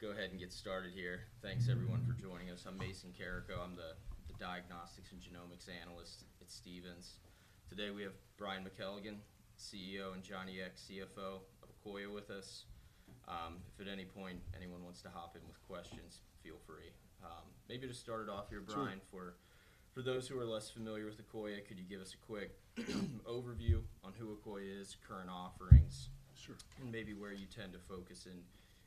Go ahead and get started here. Thanks, everyone, for joining us. I'm Mason Carrico. I'm the diagnostics and genomics analyst at Stephens. Today, we have Brian McKelligon, CEO, and Johnny Ek, CFO of Akoya, with us. If at any point anyone wants to hop in with questions, feel free. Maybe to start it off here, Brian- Sure. For those who are less familiar with Akoya, could you give us a quick overview on who Akoya is, current offerings? Sure. Maybe where you tend to focus in,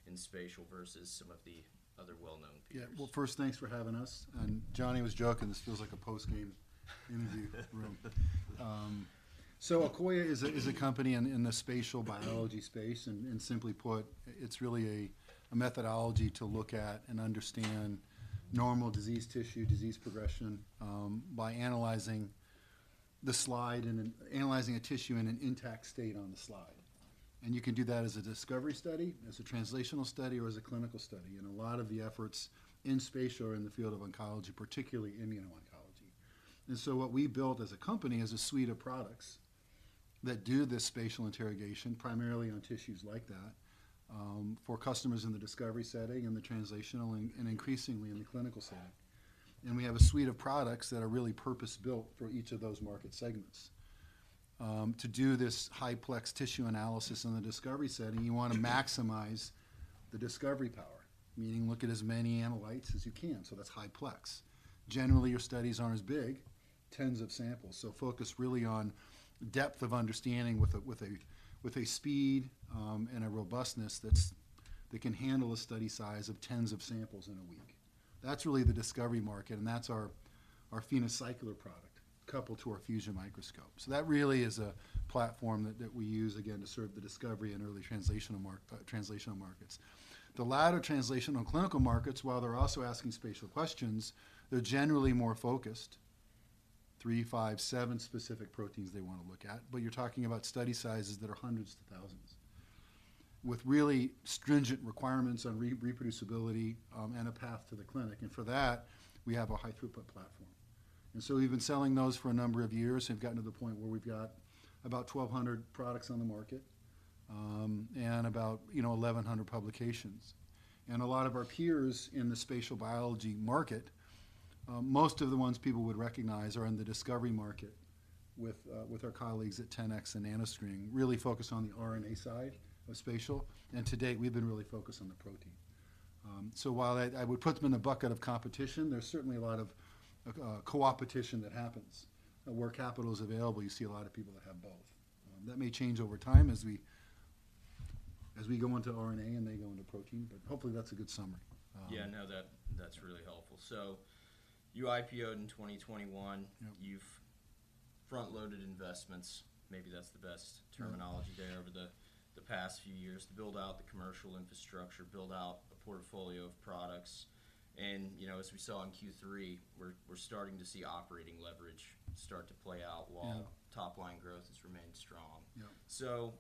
in spatial versus some of the other well-known peers. Yeah. Well, first, thanks for having us. And Johnny was joking, this feels like a post-game interview room. So Akoya is a company in the spatial biology space, and simply put, it's really a methodology to look at and understand normal disease tissue, disease progression, by analyzing the slide and then analyzing a tissue in an intact state on the slide. And you can do that as a discovery study, as a translational study, or as a clinical study. And a lot of the efforts in spatial are in the field of oncology, particularly immuno-oncology. And so what we built as a company is a suite of products that do this spatial interrogation, primarily on tissues like that, for customers in the discovery setting and the translational and increasingly in the clinical setting. And we have a suite of products that are really purpose-built for each of those market segments. To do this high-plex tissue analysis in the discovery setting, you wanna maximize the discovery power, meaning look at as many analytes as you can, so that's high-plex. Generally, your studies aren't as big, tens of samples, so focus really on depth of understanding with a speed and a robustness that can handle a study size of tens of samples in a week. That's really the discovery market, and that's our PhenoCycler product, coupled to our Fusion microscope. So that really is a platform that we use again to serve the discovery and early translational markets. The latter translational clinical markets, while they're also asking spatial questions, they're generally more focused, 3, 5, 7 specific proteins they wanna look at, but you're talking about study sizes that are hundreds to thousands, with really stringent requirements on reproducibility, and a path to the clinic, and for that, we have a high-throughput platform. And so we've been selling those for a number of years and gotten to the point where we've got about 1,200 products on the market, and about, you know, 1,100 publications. And a lot of our peers in the spatial biology market, most of the ones people would recognize are in the discovery market with, with our colleagues at 10x and NanoString, really focused on the RNA side of spatial, and to date, we've been really focused on the protein. So while I would put them in a bucket of competition, there's certainly a lot of co-opetition that happens. Where capital is available, you see a lot of people that have both. That may change over time as we go into RNA and they go into protein, but hopefully that's a good summary. Yeah, no, that, that's really helpful. So you IPO'd in 2021. Yep. You've front-loaded investments, maybe that's the best terminology there, over the past few years to build out the commercial infrastructure, build out a portfolio of products. And, you know, as we saw in Q3, we're starting to see operating leverage start to play out while top-line growth has remained strong. Yep. So,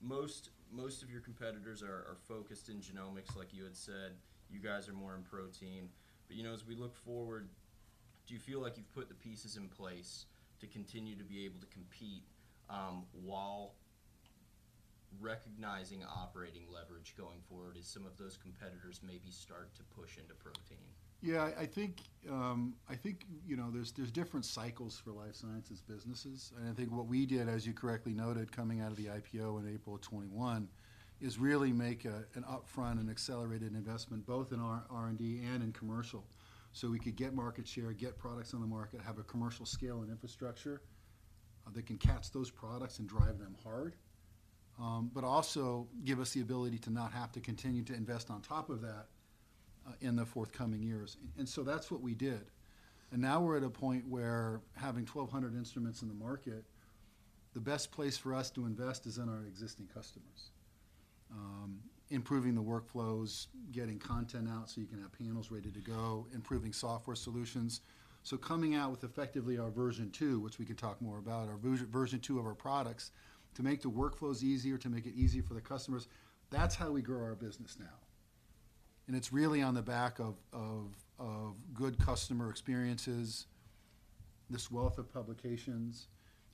most, most of your competitors are, are focused in genomics like you had said. You guys are more in protein. But, you know, as we look forward, do you feel like you've put the pieces in place to continue to be able to compete, while recognizing operating leverage going forward as some of those competitors maybe start to push into protein? Yeah, I think, I think, you know, there's, there's different cycles for life sciences businesses. And I think what we did, as you correctly noted, coming out of the IPO in April of 2021, is really make an upfront and accelerated investment, both in our R&D and in commercial, so we could get market share, get products on the market, have a commercial scale and infrastructure, that can catch those products and drive them hard, but also give us the ability to not have to continue to invest on top of that, in the forthcoming years. And so that's what we did. And now we're at a point where having 1,200 instruments in the market, the best place for us to invest is in our existing customers. Improving the workflows, getting content out, so you can have panels ready to go, improving software solutions. So coming out with effectively our version two, which we can talk more about, our version two of our products, to make the workflows easier, to make it easier for the customers, that's how we grow our business now. And it's really on the back of good customer experiences, this wealth of publications,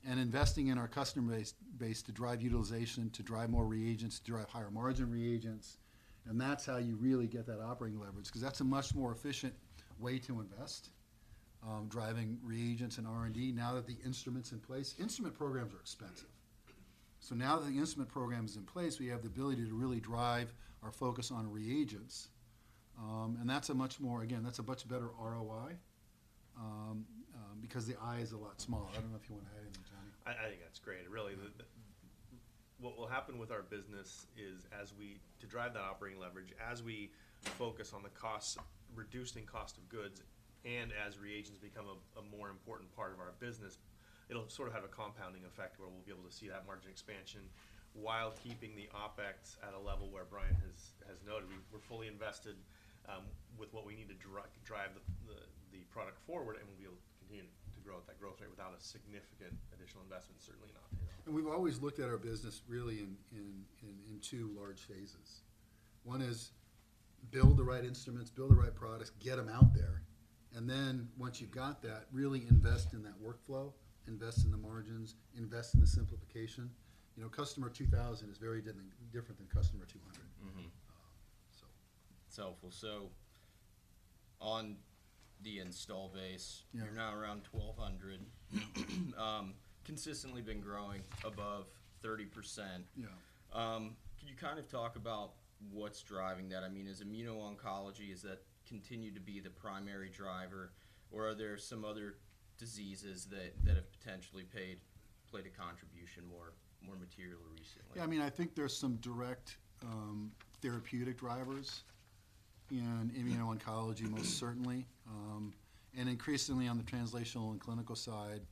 and investing in our customer base to drive utilization, to drive more reagents, to drive higher margin reagents, and that's how you really get that operating leverage, because that's a much more efficient way to invest, driving reagents and R&D now that the instrument's in place. Instrument programs are expensive. So now that the instrument program is in place, we have the ability to really drive our focus on reagents, and that's a much more... Again, that's a much better ROI, because the I is a lot smaller. I don't know if you want to add anything, Johnny. I think that's great. And really, what will happen with our business is, as we to drive that operating leverage, as we focus on the costs, reducing cost of goods, and as reagents become a more important part of our business, it'll sort of have a compounding effect, where we'll be able to see that margin expansion while keeping the OpEx at a level where Brian has noted. We're fully invested with what we need to drive the product forward, and we'll be able to continue to grow at that growth rate without a significant additional investment, certainly not. We've always looked at our business really in two large phases. One is to build the right instruments, build the right products, get them out there, and then once you've got that, really invest in that workflow, invest in the margins, invest in the simplification. You know, customer 2000 is very different than customer 200. It's helpful. So on the installed base you're now around 1,200. Consistently been growing above 30%. Yeah. Can you kind of talk about what's driving that? I mean, is immuno-oncology, does that continue to be the primary driver, or are there some other diseases that have potentially played a contribution more materially recently? Yeah, I mean, I think there's some direct therapeutic drivers in immuno-oncology, most certainly. And increasingly on the translational and clinical side,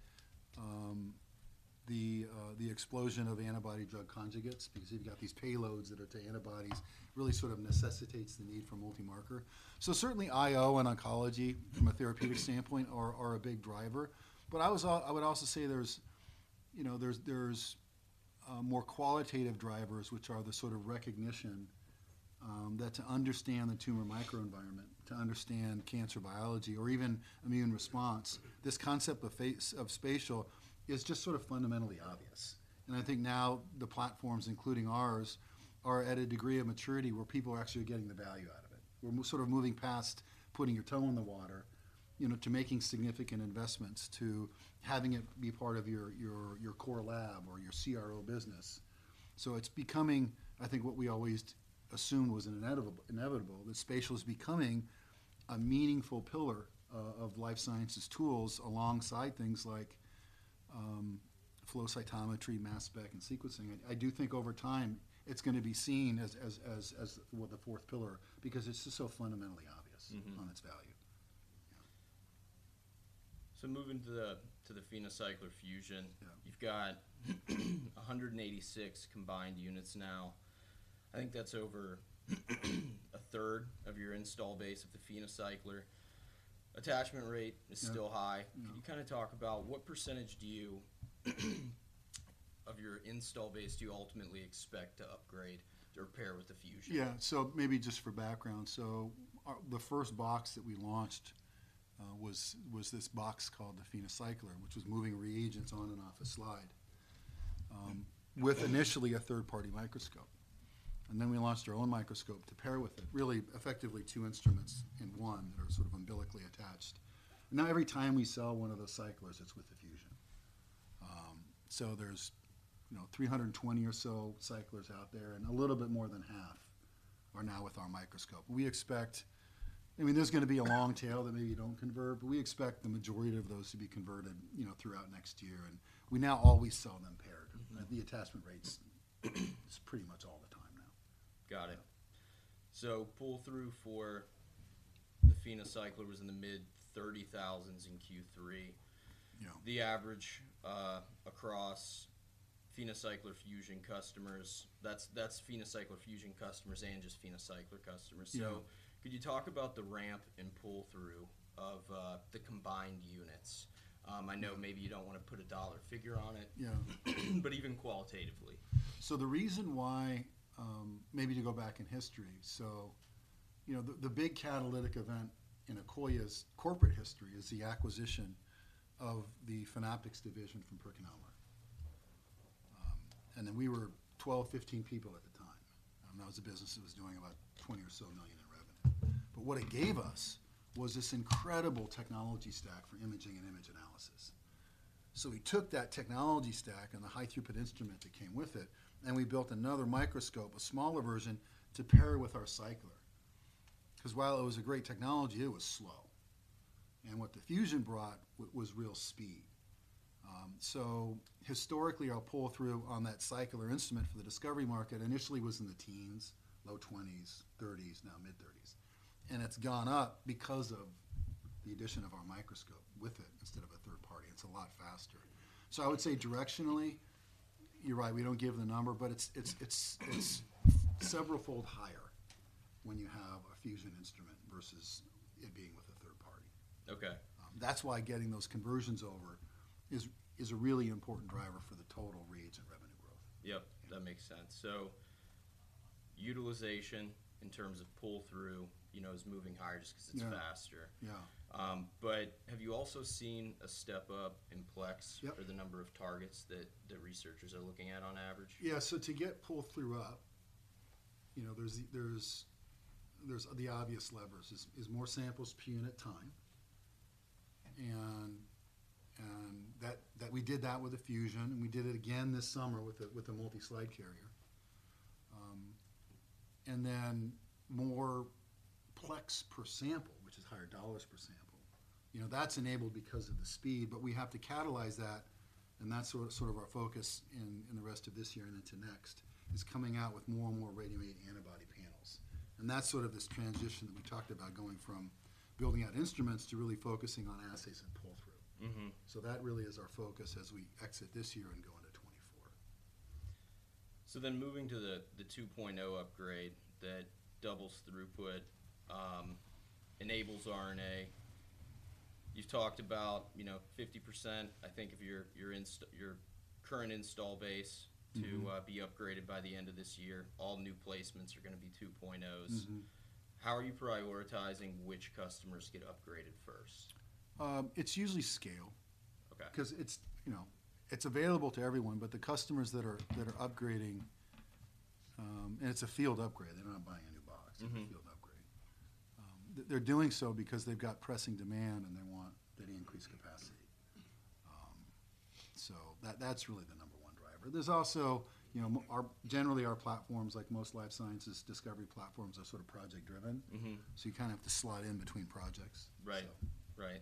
the explosion of antibody drug conjugates, because you've got these payloads that are to antibodies, really sort of necessitates the need for multimarker. So certainly, IO and oncology, from a therapeutic standpoint, are a big driver. But I would also say there's, you know, there's more qualitative drivers, which are the sort of recognition that to understand the tumor microenvironment, to understand cancer biology or even immune response, this concept of spatial is just sort of fundamentally obvious. And I think now, the platforms, including ours, are at a degree of maturity where people are actually getting the value out of it. We're more sort of moving past putting your toe in the water, you know, to making significant investments, to having it be part of your core lab or your CRO business. So it's becoming, I think, what we always assumed was inevitable, that spatial is becoming a meaningful pillar of life sciences tools alongside things like flow cytometry, mass spec, and sequencing. I do think over time, it's gonna be seen as, well, the fourth pillar, because it's just so fundamentally obvious on its value. Yeah. So moving to the PhenoCycler-Fusion. Yeah. You've got 186 combined units now. Right. I think that's over a third of your installed base of the PhenoCycler. Attachment rate is still high. Yeah. Can you kinda talk about what percentage do you, of your install base, do you ultimately expect to upgrade, to repair with the Fusion? Yeah. So maybe just for background, so, the first box that we launched was this box called the PhenoCycler, which was moving reagents on and off a slide, with initially a third-party microscope. And then we launched our own microscope to pair with it, really effectively two instruments in one that are sort of umbilically attached. Now, every time we sell one of those cyclers, it's with the Fusion. So there's, you know, 320 or so cyclers out there, and a little bit more than half are now with our microscope. We expect. I mean, there's gonna be a long tail that maybe don't convert, but we expect the majority of those to be converted, you know, throughout next year, and we now always sell them paired. The attachment rate's. It's pretty much all the time now. Got it. So pull-through for the PhenoCycler was in the mid-$30,000s in Q3. Yeah. The average across PhenoCycler-Fusion customers, that's, that's PhenoCycler-Fusion customers and just PhenoCycler customers. Yeah. So could you talk about the ramp and pull-through of the combined units? I know maybe you don't wanna put a dollar figure on it- Yeah. but even qualitatively. So the reason why, maybe to go back in history, so, you know, the, the big catalytic event in Akoya's corporate history is the acquisition of the Phenoptics division from PerkinElmer. And then we were 12, 15 people at the time, and that was a business that was doing about $20 million in revenue. But what it gave us was this incredible technology stack for imaging and image analysis. So we took that technology stack and the high-throughput instrument that came with it, and we built another microscope, a smaller version, to pair it with our cycler. 'Cause while it was a great technology, it was slow, and what the Fusion brought was real speed. So historically, our pull-through on that cycler instrument for the discovery market initially was in the teens, low 20s, 30s, now mid-30s. It's gone up because of the addition of our microscope with it, instead of a third party. It's a lot faster. So I would say directionally, you're right, we don't give the number, but it's several-fold higher when you have a Fusion instrument versus it being with a third party. Okay. That's why getting those conversions over is a really important driver for the total reads and revenue growth. Yep, that makes sense. So utilization in terms of pull-through, you know, is moving higher just 'cause it's faster. Yeah. Yeah. Have you also seen a step up in plex- Yep... or the number of targets that researchers are looking at on average? Yeah. So to get pull-through up, you know, there's the obvious levers, is more samples per unit time. And that... We did that with the Fusion, and we did it again this summer with the multi-slide carrier. And then more plex per sample, which is higher dollars per sample. You know, that's enabled because of the speed, but we have to catalyze that, and that's sort of our focus in the rest of this year and into next, is coming out with more and more ready-to-use antibody panels. And that's sort of this transition that we talked about, going from building out instruments to really focusing on assays and pull-through. So that really is our focus as we exit this year and go into 2024. So then moving to the 2.0 upgrade that doubles throughput... enables RNA. You've talked about, you know, 50%, I think, of your current installed base to be upgraded by the end of this year. All new placements are gonna be 2.0's. How are you prioritizing which customers get upgraded first? It's usually scale. Okay. 'Cause it's, you know, it's available to everyone, but the customers that are upgrading. And it's a field upgrade, they're not buying a new box it's a field upgrade. They're doing so because they've got pressing demand, and they want the increased capacity. So that, that's really the number one driver. There's also, you know, generally, our platforms, like most life sciences discovery platforms, are sort of project driven. You kind of have to slot in between projects. Right. So. Right.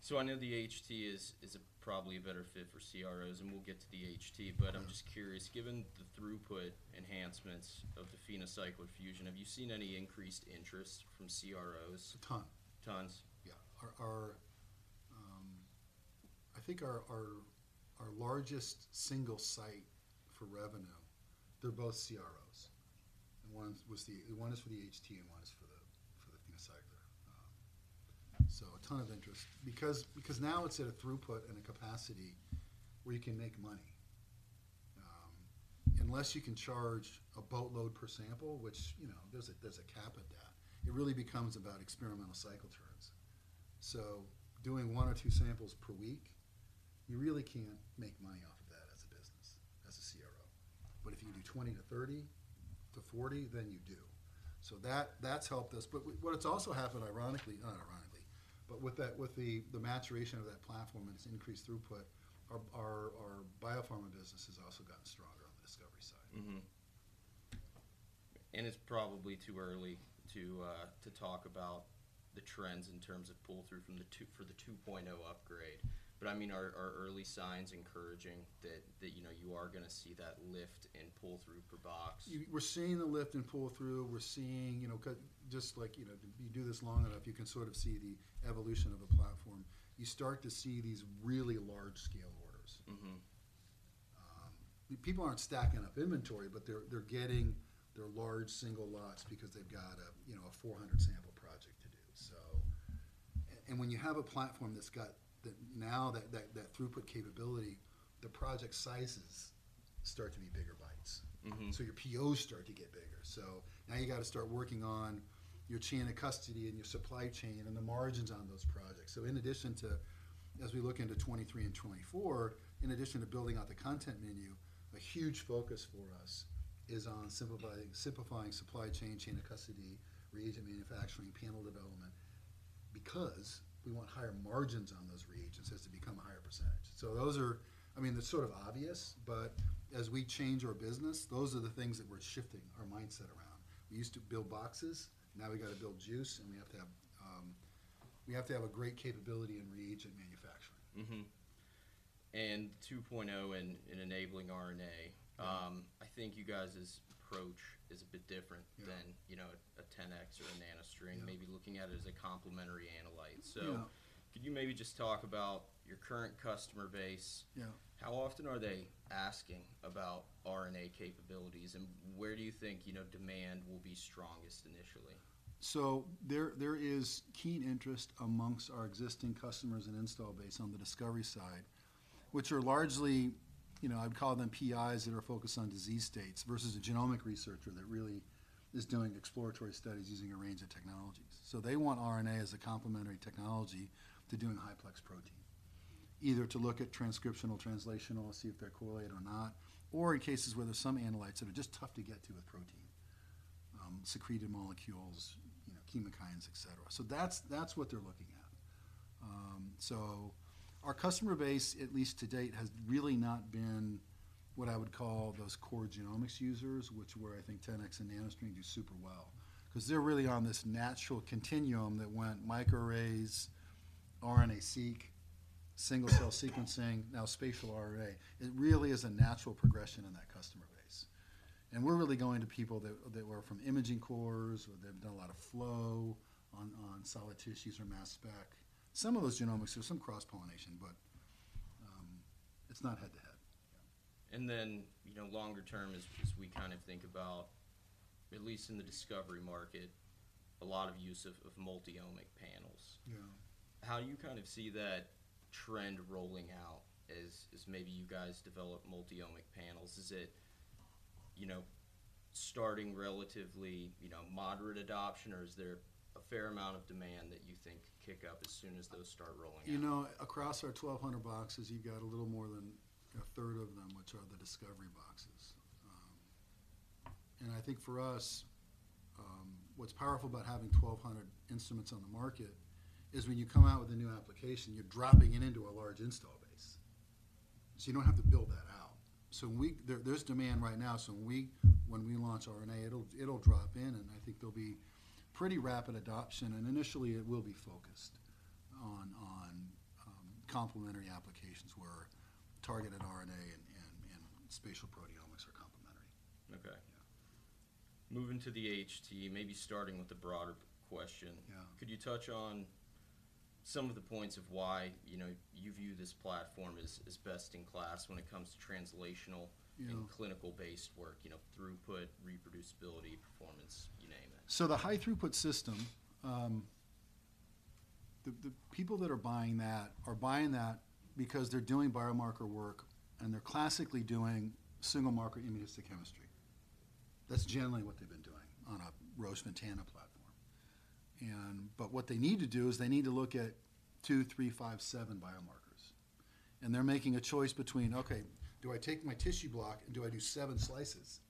So I know the HT is probably a better fit for CROs, and we'll get to the HT. But I'm just curious, given the throughput enhancements of the PhenoCycler-Fusion, have you seen any increased interest from CROs? A ton. Tons? Yeah. I think our largest single site for revenue, they're both CROs, and one is for the HT, and one is for the PhenoCycler. So a ton of interest because now it's at a throughput and a capacity where you can make money. Unless you can charge a boatload per sample, which, you know, there's a cap of that, it really becomes about experimental cycle turns. So doing 1 or 2 samples per week, you really can't make money off of that as a business, as a CRO. But if you do 20 to 30 to 40, then you do. So that's helped us. But what has also happened, ironically, not ironically, but with that, with the maturation of that platform and its increased throughput, our biopharma business has also gotten stronger on the discovery side. Mm-hmm. And it's probably too early to talk about the trends in terms of pull-through from the two- for the 2.0 upgrade. But I mean, are early signs encouraging that you know you are gonna see that lift in pull-through per box? We're seeing the lift in pull-through. We're seeing, you know, just like, you know, you do this long enough, you can sort of see the evolution of a platform. You start to see these really large-scale orders. People aren't stacking up inventory, but they're getting their large single lots because they've got a, you know, a 400 sample project to do. So... and when you have a platform that's got that now that throughput capability, the project sizes start to be bigger bites. So your POs start to get bigger, so now you gotta start working on your chain of custody and your supply chain and the margins on those projects. So in addition to—as we look into 2023 and 2024, in addition to building out the content menu, a huge focus for us is on simplifying, simplifying supply chain, chain of custody, reagent manufacturing, panel development, because we want higher margins on those reagents has to become a higher percentage. So those are—I mean, they're sort of obvious, but as we change our business, those are the things that we're shifting our mindset around. We used to build boxes, now we've got to build juice, and we have to have, we have to have a great capability in reagent manufacturing. And 2.0 in enabling RNA, I think you guys' approach is a bit different than, you know, a 10x or a NanoString. Yeah. Maybe looking at it as a complementary analyte. Yeah. Could you maybe just talk about your current customer base? Yeah. How often are they asking about RNA capabilities, and where do you think, you know, demand will be strongest initially? So there is keen interest among our existing customers and installed base on the discovery side, which are largely, you know, I'd call them PIs that are focused on disease states versus a genomic researcher that really is doing exploratory studies using a range of technologies. So they want RNA as a complementary technology to doing high-plex protein, either to look at transcriptional, translational, see if they're correlated or not, or in cases where there's some analytes that are just tough to get to with protein, secreted molecules, you know, chemokines, et cetera. So that's what they're looking at. So our customer base, at least to date, has really not been what I would call those core genomics users, where I think 10x and NanoString do super well, 'cause they're really on this natural continuum that went microarrays, RNA-seq, single-cell sequencing, now spatial array. It really is a natural progression in that customer base. We're really going to people that were from imaging cores or they've done a lot of flow on solid tissues or mass spec. Some of those genomics, there's some cross-pollination, but it's not head-to-head. Then longer term, as we kind of think about, at least in the discovery market, a lot of use of multi-omic panels. Yeah. How do you kind of see that trend rolling out as maybe you guys develop multi-omic panels? Is it, you know, starting relatively, you know, moderate adoption, or is there a fair amount of demand that you think could kick up as soon as those start rolling out? You know, across our 1,200 boxes, you've got a little more than a third of them, which are the discovery boxes. I think for us, what's powerful about having 1,200 instruments on the market is when you come out with a new application, you're dropping it into a large install base, so you don't have to build that out. So there's demand right now, so when we launch RNA, it'll drop in, and I think there'll be pretty rapid adoption, and initially it will be focused on complementary applications where targeted RNA and spatial proteomics are complementary. Okay. Yeah. Moving to the HT, maybe starting with the broader question. Yeah. Could you touch on some of the points of why, you know, you view this platform as, as best in class when it comes to translational and clinical-based work, you know, throughput, reproducibility, performance, you name it. So the high-throughput system, the people that are buying that are buying that because they're doing biomarker work, and they're classically doing single-marker immunohistochemistry. That's generally what they've been doing on a Roche Ventana platform. But what they need to do is they need to look at 2, 3, 5, 7 biomarkers. And they're making a choice between, "Okay, do I take my tissue block, and do I do 7 slices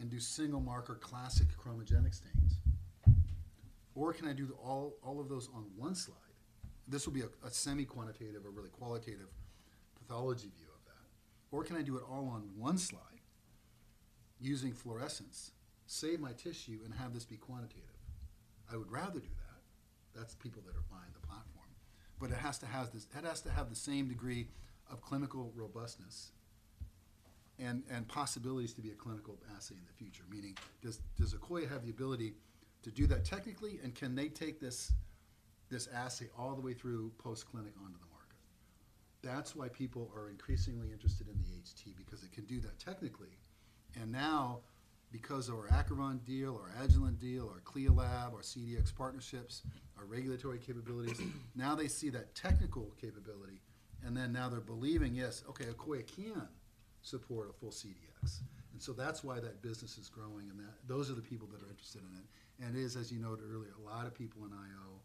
and do single-marker classic chromogenic stains? Or can I do all, all of those on one slide?" This will be a semi-quantitative or really qualitative pathology view of that. "Or can I do it all on one slide using fluorescence, save my tissue, and have this be quantitative? I would rather do that." That's the people that are buying the platform. But it has to have this, it has to have the same degree of clinical robustness and, and possibilities to be a clinical assay in the future, meaning, does, does Akoya have the ability to do that technically, and can they take this, this assay all the way through post-clinic onto the market? That's why people are increasingly interested in the HT, because it can do that technically. And now, because of our Acumen deal, our Agilent deal, our CLIA lab, our CDx partnerships, our regulatory capabilities, now they see that technical capability, and then now they're believing, "Yes, okay, Akoya can support a full CDx." And so that's why that business is growing, and that, those are the people that are interested in it. And it is, as you noted earlier, a lot of people in IO,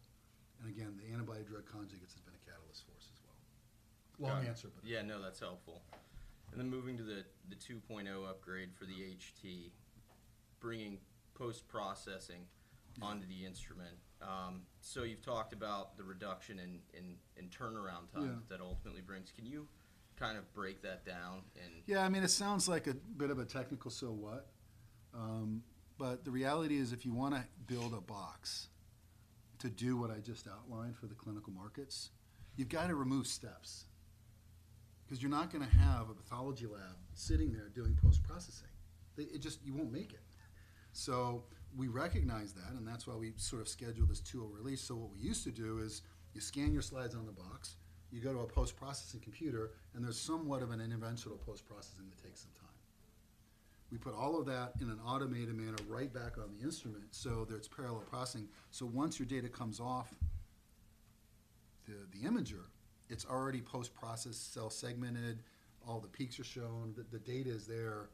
and again, the antibody drug conjugates has been a catalyst for us as well. Long answer, but- Yeah, no, that's helpful. And then moving to the 2.0 upgrade for the HT, bringing post-processing onto the instrument. So you've talked about the reduction in turnaround time that ultimately brings. Can you kind of break that down and- Yeah, I mean, it sounds like a bit of a technical, "So what?" but the reality is, if you wanna build a box to do what I just outlined for the clinical markets, you've got to remove steps. 'Cause you're not gonna have a pathology lab sitting there, doing post-processing. They- it just... You won't make it. So we recognize that, and that's why we sort of scheduled this 2.0 release. So what we used to do is, you scan your slides on the box, you go to a post-processing computer, and there's somewhat of an interventional post-processing that takes some time. We put all of that in an automated manner right back on the instrument, so there's parallel processing. So once your data comes off the imager, it's already post-processed, cell segmented, all the peaks are shown. The data is there,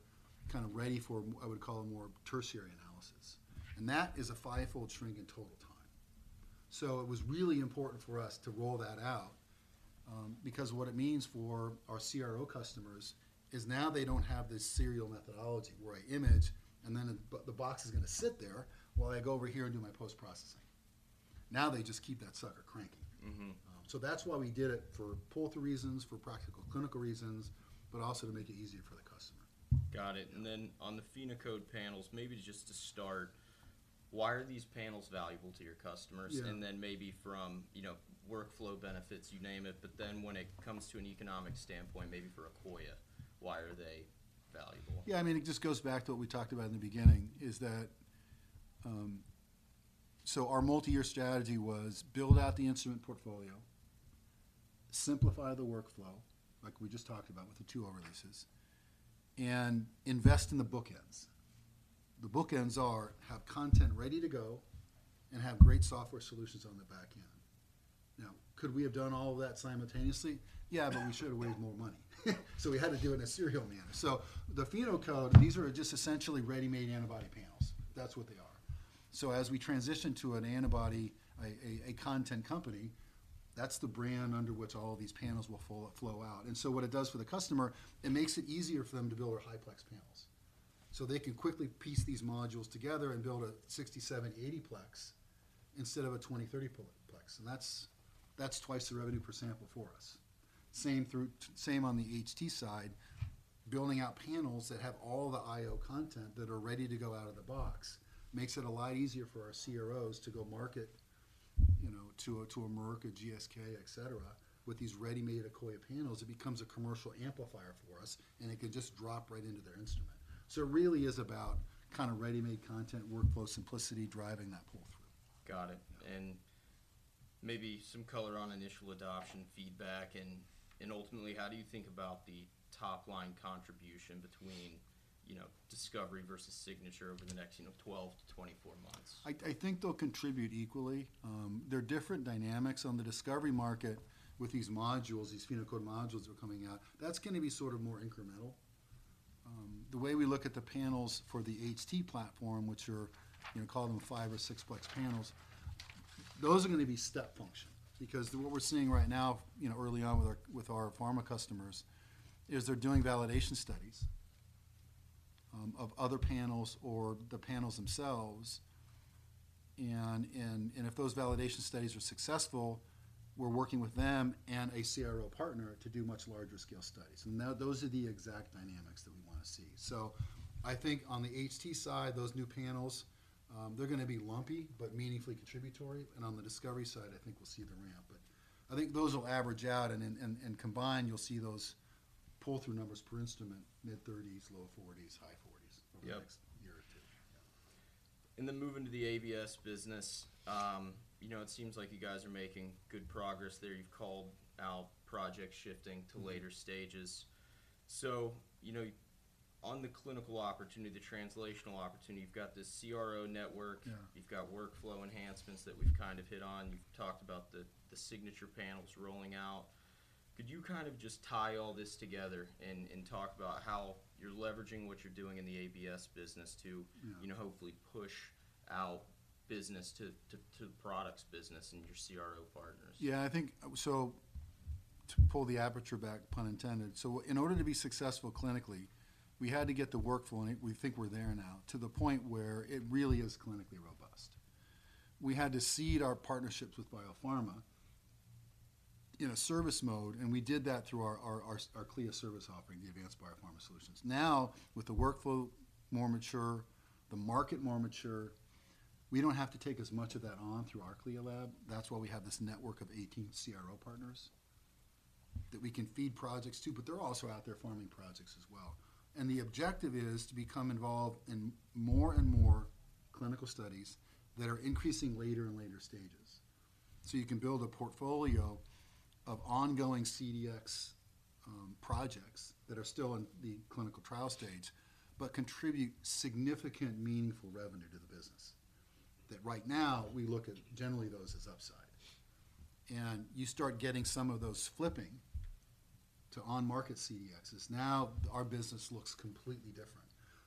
kind of ready for, I would call it, more tertiary analysis. That is a fivefold shrink in total time. It was really important for us to roll that out, because what it means for our CRO customers is now they don't have this serial methodology, where I image, and then it, the box is gonna sit there while I go over here and do my post-processing. Now, they just keep that sucker cranking. So, that's why we did it for pull-through reasons, for practical clinical reasons, but also to make it easier for the customer. Got it. And then on the PhenoCode Panels, maybe just to start, why are these panels valuable to your customers? Yeah. And then maybe from, you know, workflow benefits, you name it, but then when it comes to an economic standpoint, maybe for Akoya, why are they valuable? Yeah, I mean, it just goes back to what we talked about in the beginning, is that, So our multi-year strategy was build out the instrument portfolio, simplify the workflow, like we just talked about with the 2.0 releases, and invest in the bookends. The bookends are: have content ready to go and have great software solutions on the back end. Now, could we have done all of that simultaneously? Yeah, but we should have raised more money. So we had to do it in a serial manner. So the PhenoCode, these are just essentially ready-made antibody panels. That's what they are. So as we transition to an antibody content company, that's the brand under which all these panels will flow out. And so what it does for the customer, it makes it easier for them to build our high-plex panels. So they can quickly piece these modules together and build a 67, 80 plex instead of a 20, 30 plex. And that's, that's twice the revenue per sample for us. Same on the HT side, building out panels that have all the IO content that are ready to go out of the box, makes it a lot easier for our CROs to go market, you know, to a, to a Merck, a GSK, et cetera. With these ready-made Akoya panels, it becomes a commercial amplifier for us, and it could just drop right into their instrument. So it really is about kind of ready-made content, workflow, simplicity, driving that pull-through. Got it. Yeah. Maybe some color on initial adoption feedback and ultimately, how do you think about the top-line contribution between, you know, discovery versus signature over the next, you know, 12-24 months? I think they'll contribute equally. There are different dynamics on the discovery market with these modules, these PhenoCode modules that are coming out. That's gonna be sort of more incremental. The way we look at the panels for the HT platform, which are, you know, call them 5 or 6 Plex panels, those are gonna be step function. Because what we're seeing right now, you know, early on with our pharma customers, is they're doing validation studies of other panels or the panels themselves. And if those validation studies are successful, we're working with them and a CRO partner to do much larger scale studies. And now, those are the exact dynamics that we wanna see. So I think on the HT side, those new panels, they're gonna be lumpy but meaningfully contributory, and on the discovery side, I think we'll see the ramp. But I think those will average out, and then... And, and combined, you'll see those pull-through numbers per instrument, mid-30s, low 40s, high 40s over the next year or two. Moving to the ABS business, you know, it seems like you guys are making good progress there. You've called out project shifting to later stages. You know, on the clinical opportunity, the translational opportunity, you've got this CRO network- Yeah. You've got workflow enhancements that we've kind of hit on. You've talked about the, the signature panels rolling out. Could you kind of just tie all this together and, and talk about how you're leveraging what you're doing in the ABS business to hopefully push out business to the products business and your CRO partners? Yeah, I think, so to pull the aperture back, pun intended. So in order to be successful clinically, we had to get the workflow, and we think we're there now, to the point where it really is clinically robust. We had to seed our partnerships with biopharma in a service mode, and we did that through our CLIA service offering, the Advanced Biopharma Solutions. Now, with the workflow more mature, the market more mature, we don't have to take as much of that on through our CLIA lab. That's why we have this network of 18 CRO partners, that we can feed projects to, but they're also out there farming projects as well. And the objective is to become involved in more and more clinical studies that are increasing later and later stages. So you can build a portfolio of ongoing CDx projects that are still in the clinical trial stage, but contribute significant, meaningful revenue to the business. That right now, we look at generally those as upside. And you start getting some of those flipping to on-market CDXs. Now, our business looks completely different.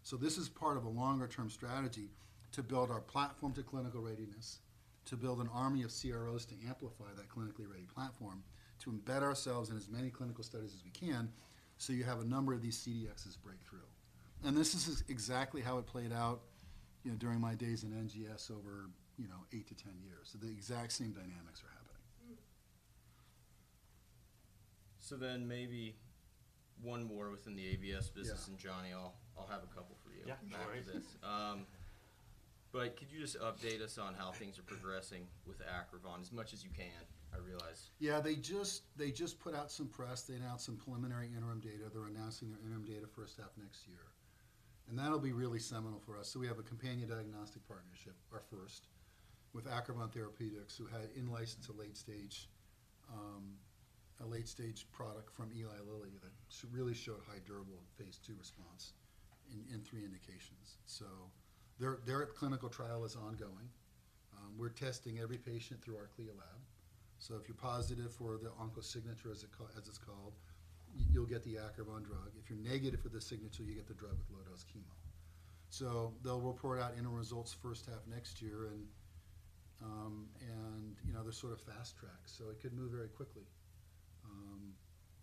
So this is part of a longer-term strategy to build our platform to clinical readiness, to build an army of CROs to amplify that clinically ready platform, to embed ourselves in as many clinical studies as we can, so you have a number of these CDXs break through. And this is exactly how it played out, you know, during my days in NGS over, you know, 8-10 years. So the exact same dynamics are happening. Maybe one more within the ABS business and Johnny, I'll have a couple for you after this. But could you just update us on how things are progressing with Acrivon? As much as you can, I realize. Yeah, they just, they just put out some press. They announced some preliminary interim data. They're announcing their interim data first half next year, and that'll be really seminal for us. So we have a companion diagnostic partnership, our first, with Acrivon Therapeutics, who had in-licensed a late-stage, a late-stage product from Eli Lilly that really showed high durable phase II response in, in three indications. So their, their clinical trial is ongoing. We're testing every patient through our CLIA lab, so if you're positive for the OncoSignature, as it's called, you'll get the Acrivon drug. If you're negative for the signature, you get the drug with low-dose chemo. So they'll report out interim results first half next year, and, and, you know, they're sort of fast track, so it could move very quickly.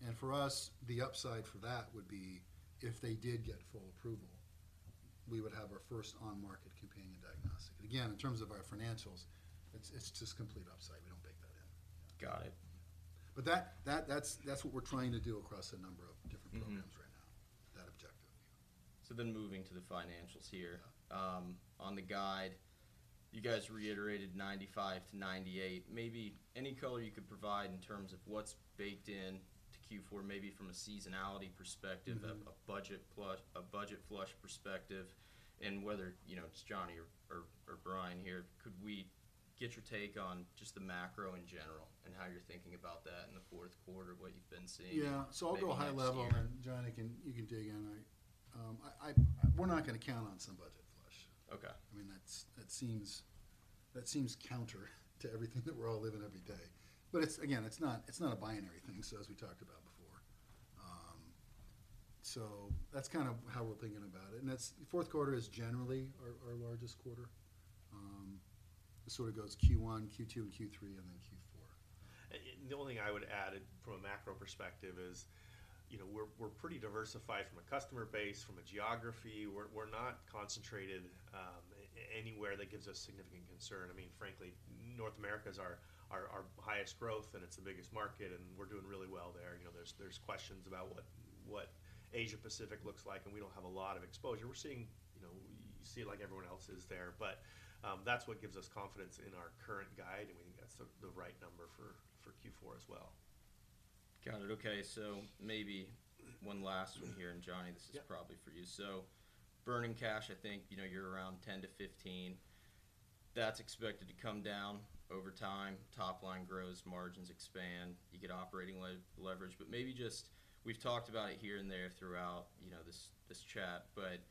And for us, the upside for that would be if they did get full approval, we would have our first on-market companion diagnostic. And again, in terms of our financials, it's just complete upside. We don't bake that in. Got it. But that's what we're trying to do across a number of different programs right now, that objective. Moving to the financials here. On the guide, you guys reiterated 95-98. Maybe any color you could provide in terms of what's baked in to Q4, maybe from a seasonality perspective a budget flush, a budget flush perspective, and whether, you know, just Johnny or Brian here, could we get your take on just the macro in general and how you're thinking about that in the fourth quarter, what you've been seeing? Yeah. Maybe next year. So I'll go high level, and Johnny, you can dig in. We're not going to count on some budget flush. Okay. I mean, that's, that seems, that seems counter to everything that we're all living every day. But it's, again, it's not, it's not a binary thing, so as we talked about before. So that's kind of how we're thinking about it. And that's... Fourth quarter is generally our, our largest quarter. It sort of goes Q1, Q2, and Q3, and then Q4. The only thing I would add, from a macro perspective, is, you know, we're, we're pretty diversified from a customer base, from a geography. We're, we're not concentrated, anywhere that gives us significant concern. I mean, frankly, North America is our, our, our highest growth, and it's the biggest market, and we're doing really well there. You know, there's, there's questions about what, what Asia Pacific looks like, and we don't have a lot of exposure. We're seeing, you know, we see it like everyone else is there, but, that's what gives us confidence in our current guide, and we think that's the, the right number for, for Q4 as well. Got it. Okay, so maybe one last one here, and Johnny- Yeah... this is probably for you. So burning cash, I think, you know, you're around $10-$15. That's expected to come down over time, top line grows, margins expand, you get operating leverage. But maybe just... We've talked about it here and there throughout, you know, this, this chat, but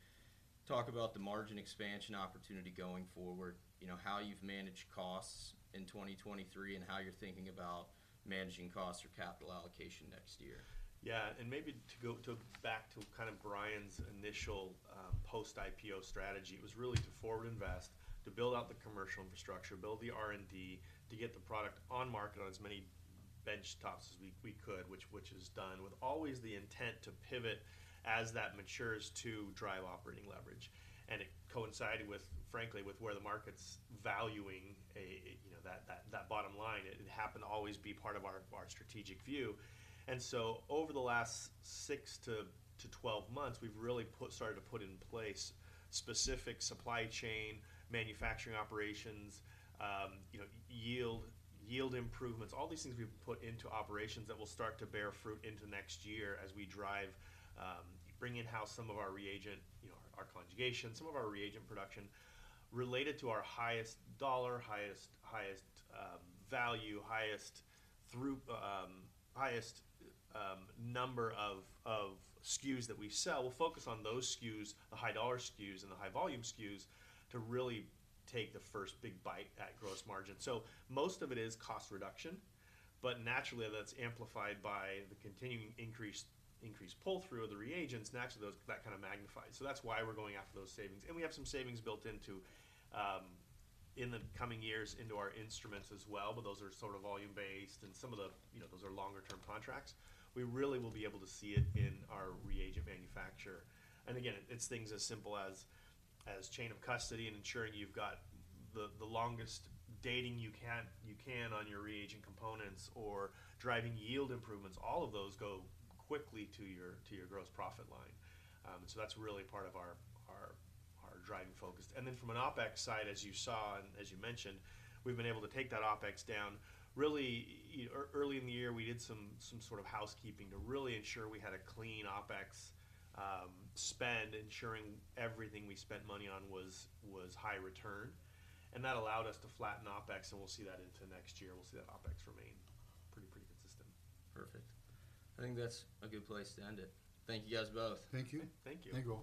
talk about the margin expansion opportunity going forward, you know, how you've managed costs in 2023, and how you're thinking about managing costs or capital allocation next year. Yeah, and maybe to go back to kind of Brian's initial post-IPO strategy, it was really to forward invest, to build out the commercial infrastructure, build the R&D, to get the product on market on as many bench tops as we could, which is done, with always the intent to pivot as that matures to drive operating leverage. And it coincided with, frankly, with where the market's valuing a you know that bottom line. It happened to always be part of our strategic view. So over the last 6 to 12 months, we've really started to put in place specific supply chain manufacturing operations, you know, yield improvements, all these things we've put into operations that will start to bear fruit into next year as we drive bring in-house some of our reagent, you know, our conjugation, some of our reagent production related to our highest dollar, highest value, highest throughput, highest number of SKUs that we sell. We'll focus on those SKUs, the high dollar SKUs and the high volume SKUs, to really take the first big bite at gross margin. So most of it is cost reduction, but naturally, that's amplified by the continuing increased pull-through of the reagents. Naturally, that kind of magnifies. So that's why we're going after those savings. And we have some savings built into in the coming years into our instruments as well, but those are sort of volume-based, and some of the, you know, those are longer-term contracts. We really will be able to see it in our reagent manufacture. And again, it's things as simple as chain of custody and ensuring you've got the longest dating you can on your reagent components or driving yield improvements. All of those go quickly to your gross profit line. So that's really part of our driving focus. And then from an OpEx side, as you saw and as you mentioned, we've been able to take that OpEx down. Really, early in the year, we did some sort of housekeeping to really ensure we had a clean OpEx spend, ensuring everything we spent money on was high return, and that allowed us to flatten OpEx, and we'll see that into next year. We'll see that OpEx remain pretty consistent. Perfect. I think that's a good place to end it. Thank you, guys, both. Thank you. Thank you. Thank you.